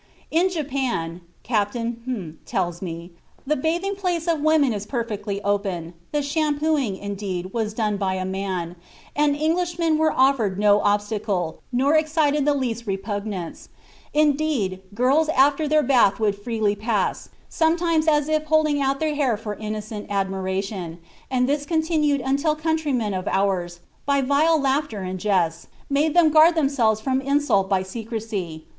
"In Japan (Captain tells me), the bathing place of the women was perfectly open (the shampooing, indeed, was done by a man), and Englishmen were offered no obstacle, nor excited the least repugnance; indeed, girls after their bath would freely pass, sometimes as if holding out their hair for innocent admiration, and this continued until countrymen of ours, by vile laughter and jests, made them guard themselves from insult by secrecy.